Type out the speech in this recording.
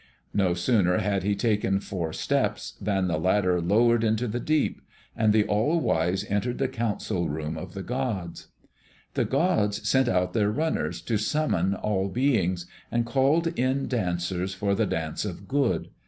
No sooner had he taken four steps than the ladder lowered into the deep. And the All wise entered the council room of the gods. The gods sent out their runners, to summon all beings, and called in dancers for the Dance of Good.